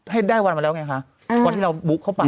ให้ได้วันมาแล้วไงคะวันที่เราบุกเข้าไป